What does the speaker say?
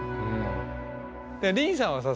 りんさんはさ